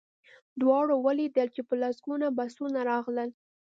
دواړو ولیدل چې په لسګونه بسونه راغلل